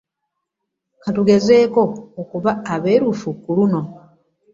Ka tugezeeko okuba abeerufu ku luno.